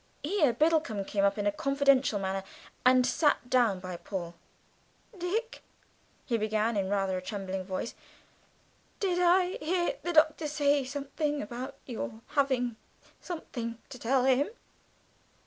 Here Biddlecomb came up in a confidential manner and sat down by Paul; "Dick," he began, in rather a trembling voice, "did I hear the Doctor say something about your having something to tell him?"